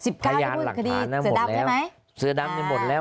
พยานหลักฐานมันหมดแล้วเสือดำมันหมดแล้ว